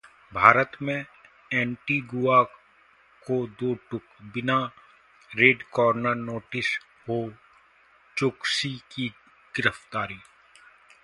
भारत की एंटीगुआ को दो टूक- बिना रेडकॉर्नर नोटिस हो चोकसी की गिरफ्तारी